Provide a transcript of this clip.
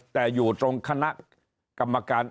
แต่อยู่ตรงคณะกรรมการ